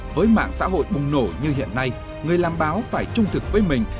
với mạng xã hội bùng nổ như hiện nay người làm báo phải trung thực với mình